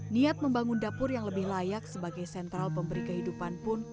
niat membangun dapur yang lebih layak sebagai sentral pemberi kehidupan pun